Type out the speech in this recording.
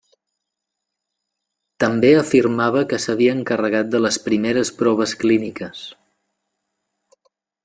També afirmava que s'havia encarregat de les primeres proves clíniques.